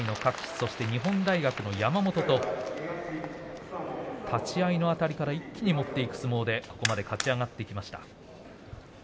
そして日本大学の山本と立ち合いのあたりから一気に持っていく相撲で勝ち上がってきました。